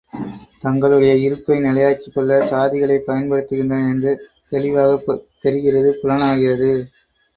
தங்களுடைய இருப்பை நிலையாக்கிக் கொள்ள சாதிகளைப் பயன்படுத்துகின்றன என்று தெளிவாகத் தெரிகிறது புலனாகிறது.